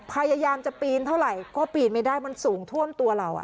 พยายามจะปีนเท่าไหร่ก็ปีนไม่ได้มันสูงท่วมตัวเรา